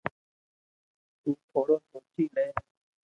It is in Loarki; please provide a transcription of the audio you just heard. تو ٿورو سوچي لي